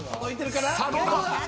さあどうだ！？